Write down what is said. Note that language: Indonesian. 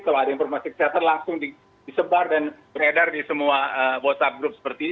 kalau ada informasi kesehatan langsung disebar dan beredar di semua whatsapp group seperti ini